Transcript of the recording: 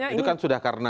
itu kan sudah karena